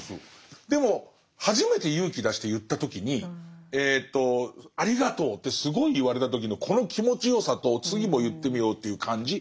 でも初めて勇気出して言った時に「ありがとう」ってすごい言われた時のこの気持ちよさと次も言ってみようという感じ。